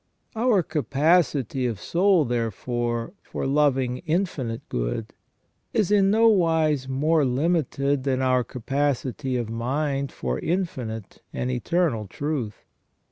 Our capacity of soul, therefore, for loving infinite good is in nowise more limited than our capacity of mind for infinite and eternal truth.